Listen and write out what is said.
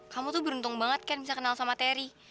kamu tuh beruntung banget kan bisa kenal sama terry